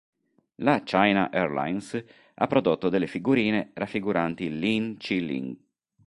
La China Airlines ha prodotto delle figurine raffiguranti Lin Chi-ling.